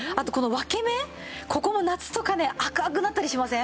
ここも夏とかね赤くなったりしません？